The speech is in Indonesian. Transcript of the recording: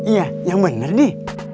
iya yang bener di